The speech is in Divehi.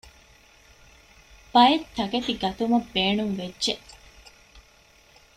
ބައެއްތަކެތި ގަތުމަށް ބޭނުންވެއްޖެ